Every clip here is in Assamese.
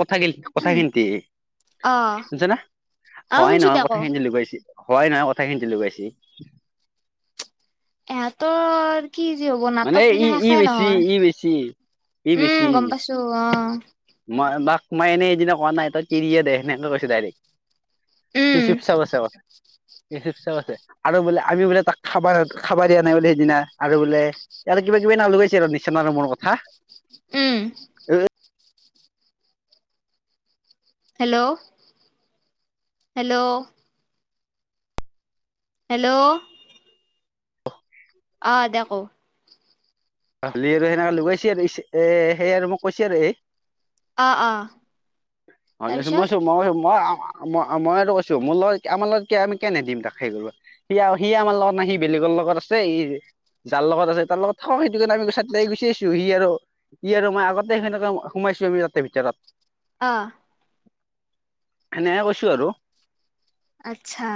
কথা ক কথা অ খিন্ত শুনিছানে অ হয় শুনছো নহয় দে ক কথাখিনি লগাইছে। হয় নহয় কথা। কথাখিনতে লগাইছে। ইহঁতৰ কি যি হ'ব মানে নাটক ই গিলা ই শেষাই বেছি ই বেছি ই নহয়। বেছি উম গমপাইছো অ। মই মাক মই এনে এইদিনা কৰা নাই। তই তিৰিয়ে দে সেনেকে কৈছো ডাইৰেক্ট। সি উম শিপছা আছে। চ আছে আৰু বোলে আমি বোলে তাক খাব খাবা দিয়া নাই বোলে। সেইদিনা আৰু বোলে ইয়াৰ কিবা কিবি নাম লগাইছে আৰু নিচনা আৰু মৰ কথা উম এ। হেল্ল'। হেল্ল'। হেল্ল'। আহ দে ক। [unintelligible] আৰু সেনেকে লগাইছে আৰু এ সেইয় আৰু মোক কৈছো আৰু এই অ অ ভছ তাৰপিছত মইছো মই মছ। মইতো কৈছো। মোৰ লগত আমাৰ লগত আমি কেনে দিম তাক সেই কৰিব সি আমাৰ লগত নাই সি বেলেগ। লগত আছে ই যাৰ লগত আছে তাৰ লগত থাক সি। সে আমি চাৰিটা গুচি আছোঁ সি আৰু সি আৰু মই আগতে সনেকে সোমাইছো আমি তাতে ভিতৰত। অ এনে কৈছো আৰু। আচ্ছা।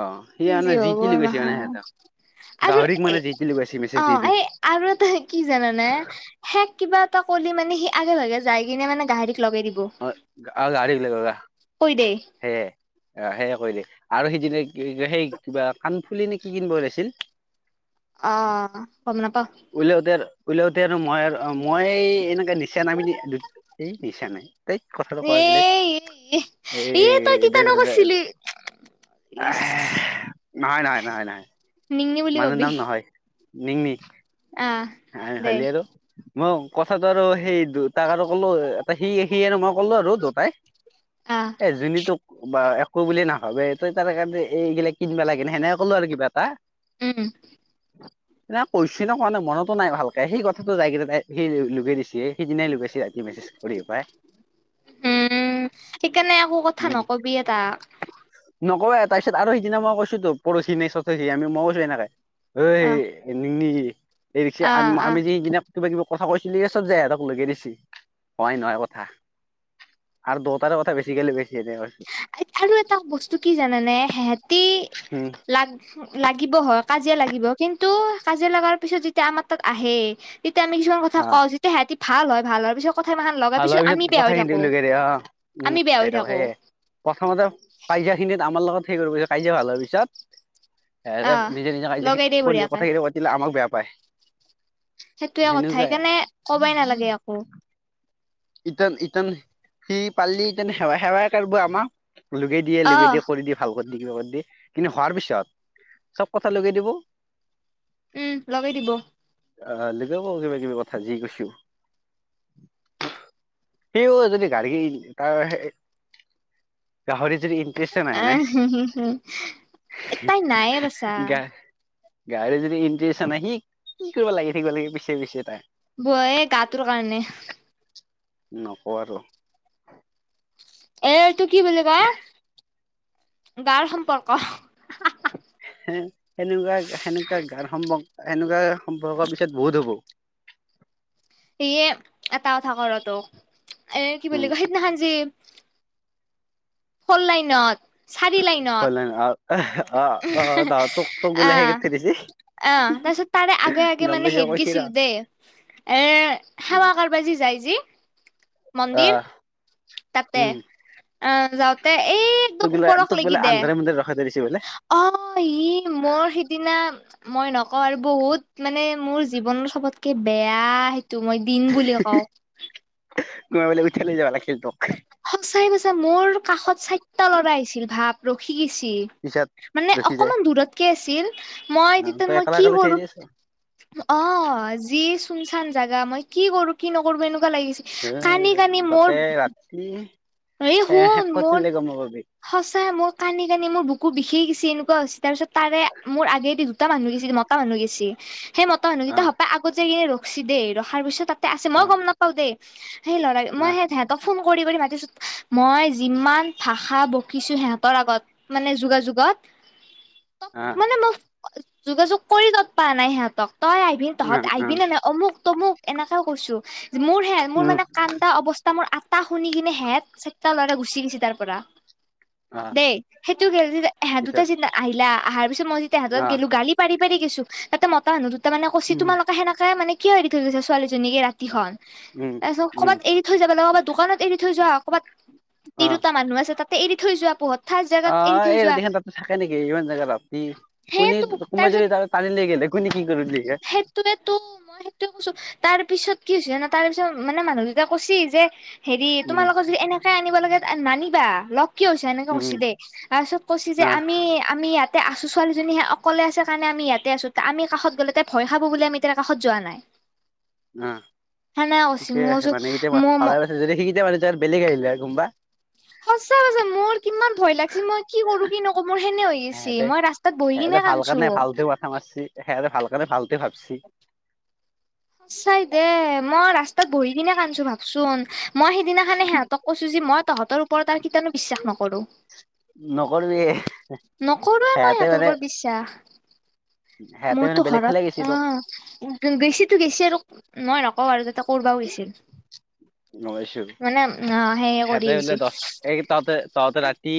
অ সি কিজে মানে যি হ'ব টি লগাইছে মাহা মানে সিহঁতক আৰু গাহৰিক এ মানে যি টি লগাইছে মেছেজ অ দি দি এই। আৰু এটা কি জানানে শেষ কিবা এটা কল মানে। সি আগে লগগে যাই কিনে মানে গাহৰি লগাই দিব অ ঐ দে। হে অ সেয় কৰিলে আৰু সিদিনা সেই কিবা কাণফুলি নে কি কিনিব ওলাইছিল। অ গম নাপাওঁ। উলাওতে আৰু মই আৰু মই এনেকে নিচা নাম এই নিচা নাই। এই কথাটো ক এ গ'লে। এ দে, এ তই দে, তিতানো দে, দে, কৰিছিলি ইচ নাই, নাই, নাই, নাই। নিঙনে বুলিকবি। নি নি আ দে হলিয় আৰু মই। কথাাতটো আৰু সেই দেউতাক আৰু ক'লো। এটা সি সি আৰু মই ক'লো আৰু দুটাই। আহ এ যোনীটোক। বা একো বুলিয়ে নাভাবে। তই তাৰ কাৰণে এইগিলাক কিনিবা লাগেনে সেনেকে ক'লো আৰু কিবা এটা। উম। ন কৈছ ন কোৱা নাই মনতো নাই। ভালকে সেই কথাটো যাইকেই তাই সেই লগাই দিছে। সেইদিনাই লৈ গৈছে ৰাতি মেছেজ কৰি পাই উম সেইকাৰণে একো কথা নকবি টাক নকওঁৱেই তাৰপিছত আৰু সিদিনা কৈছোঁ তো পৰহি নাই ছতষি মই কৈছো এনেকে অ এই ৰিক্সা অ আমি যনাাক কিবা কিবি [inaudible] কথা কৈছিলি এই চব হেতক লগে দিছে হয়াই নহয় কথা আৰু দতাৰ কথা বেছি কে লগাইছি হয় আৰু এটা বস্তু কি জানানে, সিহতি উম লাগ লাগিব হ কাজিয়া লাগিব কিন্তু কাজিয়া লগাৰ পিছত যেতিয়া আমাৰ তাত আহে তেতিয়া আমি কিছুমান কথা অ কওঁ যেতিয়া সিহঁতি ভাল ভাল হয় পিছত কথা সিমান লগা ভাল পিছত হোৱাৰ আমি বেয়া হৈ কথাখিনি থাকো, লগাই দিয়ে অ আমি বেয়া হৈ থাকো সেয়ে প্ৰথমতে কাজিয়া খিনিত আমাৰ লগত সেই কৰিব কাজিয়া ভাল হোৱাৰ আহ পিছত নিজে লগাই দেই নিজখিনি বঢ়িয়াকে কথাখিনি পাতিলে আমাক বেয়া পায়। সেইটোয়ে কথা হেনেকুৱাই। সেইকাৰণে কবাই নালাগে একো ইটন ইটন সি পালি ইতেন সেৱা সেৱাই কৰিব আমাৰ লগে দিয়ে অ লগে দে কৰি দি ভালক দি কিন্তু হোৱাৰ পিছত চব কথা লগাই দিয়ে উম লগাই দিব। আহ লগাই কিবা কিবি কথা যি কৈছো সেইও যদি গাড়ী তাৰ গাহৰি [unintelligible] যদি ইটষ্ট নাই আহ গাড়ী তাই নায়ে বাচা [unintelligible] গাড়ী যদি ইণ্টাৰেষ্ট নাই সি কি কৰিব লাগি থাকিব লাগে পিছে পিছে তাই। বৌয়ে গাটোৰ কাৰণে [inaudible] নকৰ আৰু। এ তো কি বুলি কয় গাৰ সম্পৰ্ক। হে এনেকুৱা সম্পৰ্ক পিছত বহুত হ'ব। সেয়ে এটা কথা কওঁ ৰহ তোক এ কি বুলি উম কয় সিদিনাখন জি। ফললাইনত [inaudible] ফললাইনত অ অ তোক তোক বোলে খেদিছে [inaudible] অ তাৰপিছত তাৰে আগে আগে মানে হেদ কৈছি ৰ গৈছিল দেই। এ সেৱা কৰবি যাই যি অ মন্দিৰ। তাতে উম অ যাওঁতে এই তোক একদম বোলে ওপৰক তোক বোলে লাগি দে। আন্ধাৰে মুন্ধাৰে ৰখাই থৈ দিছে বোলে অ ই মোৰ সিদিনা। মই নকওঁ আৰু বহুত মানে মোৰ জীৱন চবতকে বেয়া। তো মই দিন বুলি কওঁ। [unintelligible] সঁচাই সচাই মোৰ কাষত চাৰিটা লৰা আহিছিল ভাপ ৰখি গৈছিল। পিছত মানে ৰখি যায় অকমান দূৰতকে আছিল। অ মই তেতিয়া তই মই অকলে কি অকলে থিয় দি কৰো আছ অ যি। চুন চান জাগা মই কি কৰো কি নকৰো এনেকুৱা লাগিছে এ কান্দি কান্দি তাতে মোৰ। ৰাতি এই সে শুন শেষ মোৰ কৰিলে গম নাপাবি সঁচাই মোৰ কান্দি কান্দি মোৰ বুকুৰ বিষেই গৈছে এনেকুৱা হৈছে। তাৰ পিছত তাৰে মোৰ আগেদি দুটা মানুহ গৈছে মটা মানুহ গৈছে। সেই মতা অ মানুহকিতা সপা আগত যাই কিনে ৰখছি দেই ৰখাৰ পিছত তাতে আছে অ মই গম নাপাওঁ দেই সেই ল'ৰা অ অ মই সে থে হেতক ফোন কৰি কৰি মাতি আ মই যিমান ভাষা বসিছো সিহঁতৰ আগত মানে যোগাযোগত আহ মানে মোক যোগাযোগ কৰি তত পা নাই সিহঁতক তই আহিবি তহঁত অ অ আহিবিনেে নাই অমুক তমুক এনেকেও কৈছো মোৰ হে মোৰ উম মানে কান্তা অৱস্থা মোৰ আটা শুনি কিনে হেত চাতটা ল'ৰা গুচি গৈছি তাৰ পৰা অ দেই সেইটো গ দুটা পিছত আহিলা আহাৰ পিছত মই যেতিয়া হাতত অ গেলো গালি পাৰি পাৰ গছো তাতে মতাানুো দু ত মানে কৈছি উম তোমালোকে সেনেকে মানে কিয় হেৰি থৈ গৈছা ছোৱালীজনীকে ৰাতিখন উম তাৰপিছত উম ক'ৰবাত এৰি থৈ যাব লাগে কৰবাত দোকানত এৰি থৈ যোৱা কৰবাত তিৰোটা মানুহ আছে তাতে এৰি থৈ যোৱা পোহৰ ঠাই জেগাত এৰি আহ থৈ এই যোৱা দেখ তাতো থাকে নেকি ইমান জেগাত ৰাতি কোনে সেয়েতো কোনোবাই যদি টানি লেই গেলেক সেইটোয়েটো মই সেইটোয়ে কৈছো তাৰ পিছত কি হৈছে জানো তাৰ পিছত মানে মানুহ দুটা কৈছি যে হেৰি উম তোমালোকক যদি এনেকে আনিব লাগে নানিবা লগ কিয় হৈছে এনেকে উম কৈছি দেই তাৰপিছত কৈছ যে অ আমি আমি ইয়াত আছো ছোৱালী সে অকলে আছে কাৰণে আমি ইয়াতে আছো আমি কাষত গ'লে তাই ভয় খাব বুলি আমি তাইৰ কাষত যোৱা নাই ন সেনেকে কৈছি ঠিকে মই আছে কৈছো মানে এতিয়া মোৰ ভালে আছে যদি সয়া মানে বেলেগ আহিলে আৰু কোনবা সঁচা সঁচা মোৰ কিমান ভয় লাগিছে মই কি কৰো কি নকৰো মোৰ সেনে হৈ গৈছি সেহঁতে মই ৰাস্তাত বহি কিনে সেহঁতে ভাল কান্দছো কাৰণে ভালতে মাথা মাৰছি সেহঁতে ভাল কাৰণে ভাল ভাবছ পুচ চাইদে মৰ আচ্ তাত বহি কিনে কান্দচো ভাবচোন, মই সিদিনা খানে সিহঁতক কৈছো যে মই তহতৰ ওপৰত আৰ কেতিয়ানো বিশ্বাস নক কৰো, নকৰিবি নকৰোঁৱে মই সেহেঁতে সিহঁতৰ মানে ওপৰত বিশ্বাস। সেহেঁতে মানে মোৰটো বেলেগ ফালে গেছি ঘৰত তোক অঁ গৈছে আৰু মই নকওঁ আৰু তাতে কৰবা গৈছিল। [inaudible] [inaudible] মানে অ সেই কৰি সিহঁতে বোলে আহিছিল দছ এই তহঁতে তহঁতে ৰাতি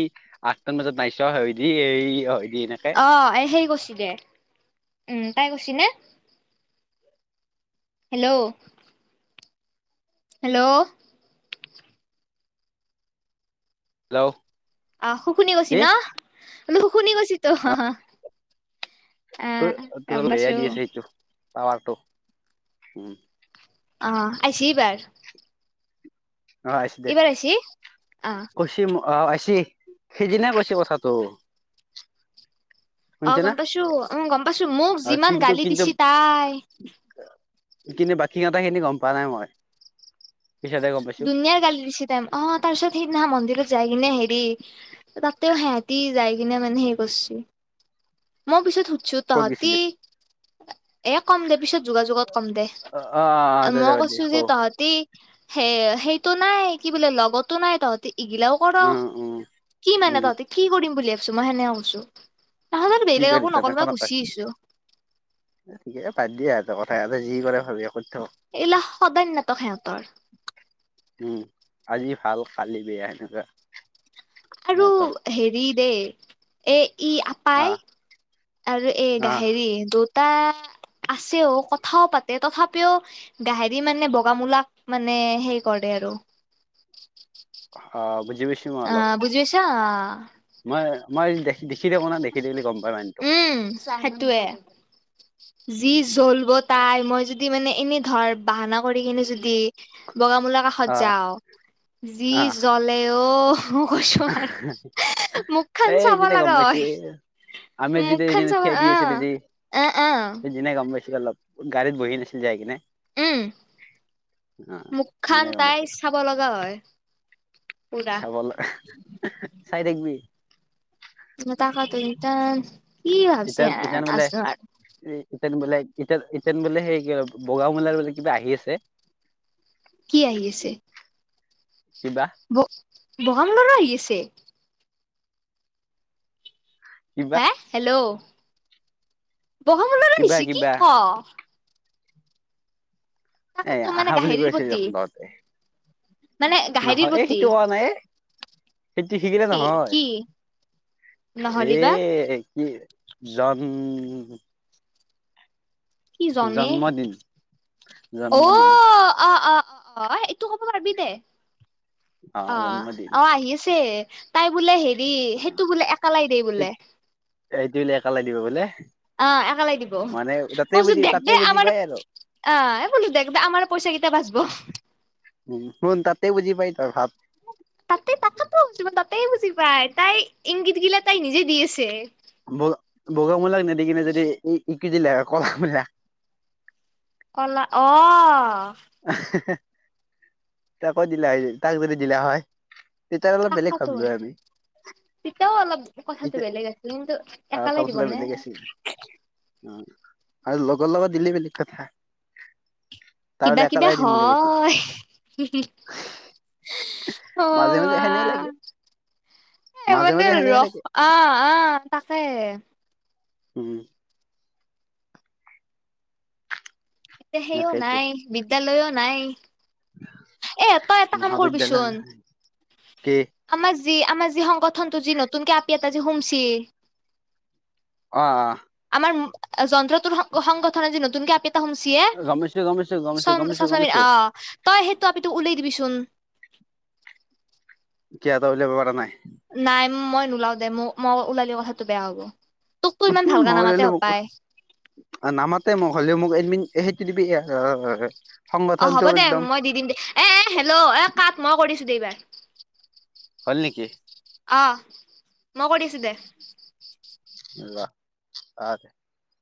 আঠটা মান বজাত পাইছ হয় দি এই হয় দি এনেকে অ এ হেৰি কৈছিল দে উম তাই কৈছি নে? হেল্ল'। হেল্ল'। হেল্ল'। আহ শু শুনি গৈছি কি ন শু শুনি গৈচি ত [unintelligible] তই তই বেয়া দি আছে এইটো টাৱাৰটো। অ আহিছি বাৰ। অ আহিছি দে। অ কৈছি আহ আহিছি সেইদিনাই কৈছে কথাটো। অ শুনিছে না গম পাইছো অ গম পাইছো, মোক অ যিমান কিন্তু গালি কিন্তু দিছি তাই! কিন্তু বাকী কথা খিনি গম পোৱা নাই মই। পিছতহে গম পাইছো দুুনীয়াৰ গালি দিছি তাই মোক, অ তাৰপিছত সেই মন্দিৰত যায় কিনে হেৰি তাতেও সিহঁতি যায় কিনে মানে হেৰি কৰছি মই পিছত সুধছো ক'ত তহঁতি গৈছিলি এ কম দে পিছত যোগাযোগত কম দে, অ অ অ এ দে দে মই বাদ দে কৈছো ক যে তহঁতি সে সেইটো নাই কি বোলে লগতো নাই তহঁতি এগিলাও কৰ উম উম কি মানে উম তহঁতি কি কৰিম বুলি ভাবিছো মই সেনেকৈ কৈছোঁ। কি কৰিছ নখন নক ঠিক আছে বাদ দিয়ে আৰু [unintelligible] এ কথা এটা যি কৰে ভাবি এইল সদায় নাটক সিহঁতৰ উম। আজি ভাল খালি বেয়া সেনেকোৱা। আৰু হেৰি দেই এ ই আপাই আহ আৰু এ আহ গাহৰি দুটা আছেও কথাও পাতে তথাপিও গাহেৰি মানে বগামুলাক মানে হেই কৰে [unintelligible] অঁ বুজি পাইছোঁ মই অলপ। আঁ মই মই দেখি দেখি থাকোঁ ন দেখি দে বুলি গম পাই মনটো-' উম সেইটোয়ে যি জ্বলব তাই মই যদি মানে এনে ধৰ বাহানা। কৰি কিনে যদি বগামলৰ কাষত আহ যাও যি জ্বলে অ কৈছো আৰু মুখখন চাব এজিয়া গম লগা পাইছে হয় আমি যিতিয়া মুখখন যেনে চাব থিয়াই দি অ আছিলোঁ যে অ অ সেইিনে গম পাইছিল অল গা়ীত বহি নাছিল যাই কিনে। উম অ মুখ খন সেইদিনা গম তাই পাইছো চাব লগা হয় পুৰা চাব চাই থবি। এ কি ভাবছি আহ আছছো আৰু তেন বোলে ইতি ইতিন বোলে সেই কি বগ মেলাৰ বোলে কিবা আহি আছে। কি আহি আছে। কিবা ব বগা লৰা আহি আছে। কিবা হা হেল্ল' [inaudible] কিবা কি কিবা ক ' এই তাকতো মানে আহা বুলি কৈ গাহৰিৰ আছে য প্ৰতি তহতে মানে গাহৰিৰ নহয় এই প্ৰতি সেইটো কৰা নাই সেইটো শিকিলে কি নহয় কি নহ'লি বা এ কি জান। কি জনে জন্মদিন জন্মদিন অ- আ -আ অ -অ এইটো কব পাৰিবি দে অ ' অ 'আহি আছে তাই বোলে হেৰি সেইটো বোলে একালাই দেই বোলে। কালাই দিব বোলে। অ 'একালাই দিব মানে তাতে কচ বুজি তাতে দে বুজি আমাৰ পাই আৰু আহ বোলো দে দে আমাৰ পইচা কেইটায়া বাচব উ শুন তাতে বুজি পাই ত ভাত তাতেই তাক বুজি তাতে বুজি পাই তাই ইংগিত গিলা তাই নিজে দি আছে। বগামলাক নেদ কিনে যদি ইকি জিলাক কলামিলাক কলা অ' তাক দিলা হয় তাক ধ দিলা হয়। তেতিয়া অলপ বেলেগ তাকাতো ভাবিলো আমি। তেতিয়াও অলপ কথাাতটো এতিয়া বেলেগ আছে কিন্তু আহ একালে কথাটো দিবনে। বেলেগ আছিল অ' আৰু লগৰ লগত দিলে বেলেগ কথা তাৰ কিবা বোলে কিবা একেলাই দিম বুলি কৈছিল হয়। মাজে মাজে সেনে লাগে অ' এ মাজে মানে মাজে সেনে ৰস লাগে আহ আহ তাকে। হম। এতিয়া সেইও তাকেইতো নাই বিদ্যালয়ও নাই। এ তই এটা কাম মহাবিদ্যালয় কৰিচোন কি আমাৰ। যি আমাৰ যি সংগঠনটো যি নতুনকে আপি এটা যি সুমচি। অ' আহ যন্ত্ৰ টোৰ সংগঠনে দি নতুন কে হুমাইছি অ' গম পাইছো গম পাইছো গম পাইছো গম পাইছো গম পাইছো তই সেই উলাই দিবি চোন। ক এটা উলিয়াব পৰা নাই নাই মই নোলাও দে মোক মই ওলালেও কথাটো বেয়া হ'ব তোকতো ইমান ভালকে মই নামাতে উললো মোক হপায় নামাতে মই হ'লেও মোক এদিন [inaudible] অ হ'ব দে মই দি দিম দে এ হেল্ল' এ কাট মই কৰিছোদে ইবাৰ হ'ল নেকি মই কৰিছোঁ দে [inaudible]